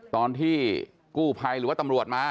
ตอนที่กู้ภัยหรือว่าตำรวจมา